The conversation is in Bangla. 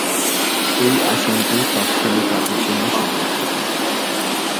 এই আসনটি তফসিলি জাতির জন্য সংরক্ষিত।